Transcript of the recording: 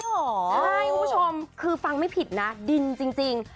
ใช่คุณผู้ชมคือฟังไม่ผิดนะดินจริง